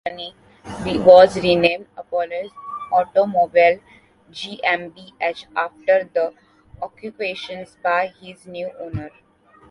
This company was renamed Apollo Automobil GmbH after the acquisition by its new owner.